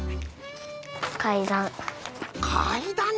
かいだん。